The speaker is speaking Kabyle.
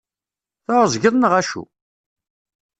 Tεeẓgeḍ neɣ acu?